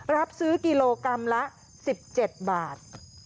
รับซื้อกิโลกรัมละ๑๗บาท